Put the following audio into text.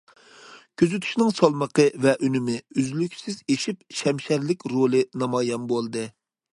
كۆزىتىشنىڭ سالمىقى ۋە ئۈنۈمى ئۈزلۈكسىز ئېشىپ، شەمشەرلىك رولى نامايان بولدى.